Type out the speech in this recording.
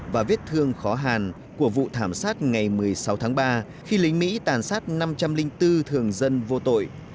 và vết thương khó hàn của vụ thảm sát ngày một mươi sáu tháng ba khi lính mỹ tàn sát năm trăm linh bốn thường dân vô tội